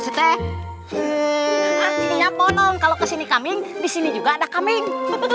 sete ini yang bolong kalau kesini kaming disini juga ada kaming